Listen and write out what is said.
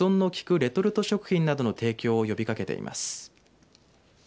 レトルト食品などの提供を呼びかけています。